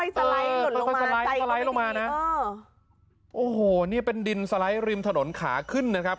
สไลด์ลงมานะโอ้โหนี่เป็นดินสไลด์ริมถนนขาขึ้นนะครับ